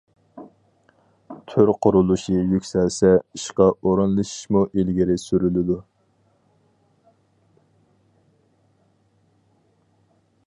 تۈر قۇرۇلۇشى يۈكسەلسە، ئىشقا ئورۇنلىشىشمۇ ئىلگىرى سۈرۈلىدۇ.